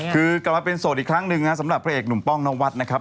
คือกลับมาเป็นโสดอีกครั้งหนึ่งนะสำหรับพระเอกหนุ่มป้องนวัดนะครับ